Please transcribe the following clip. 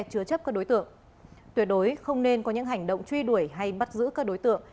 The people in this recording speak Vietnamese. chứa chấp các đối tượng tuyệt đối không nên có những hành động truy đuổi hay bắt giữ các đối tượng